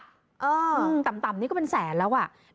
ถามที่ต่ำนี่ก็เป็นแสนแล้วอย่างอะไร